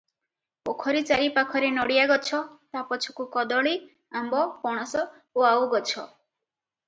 ପୋଖରୀ ଚାରିପାଖରେ ନଡ଼ିଆ ଗଛ, ତା ପଛକୁ କଦଳୀ, ଆମ୍ବ, ପଣସ, ଓଆଉ ଗଛ ।